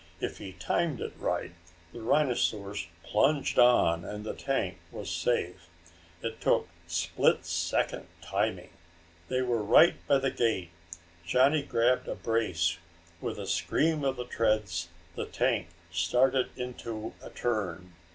If he timed it right the rhinosaurs plunged on and the tank was safe. It took split second timing. They were right by the gate. Johnny grabbed a brace. With a scream of the treads, the tank started into a turn.